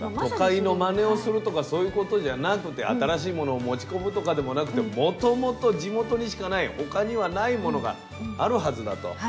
都会のまねをするとかそういうことじゃなくて新しいものを持ち込むとかでもなくてもともと地元にしかない他にはないものがあるはずだと。